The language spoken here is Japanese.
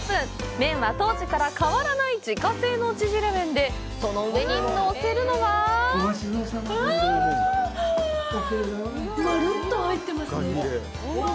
麺は当時から変わらない自家製のちぢれ麺で、その上にのせるのはお待ち遠さまでした。